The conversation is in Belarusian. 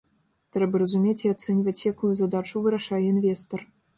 Трэба разумець і ацэньваць, якую задачу вырашае інвестар.